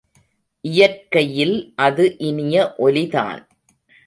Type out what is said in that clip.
இயற்கையில் அது இனிய ஒலிதான்.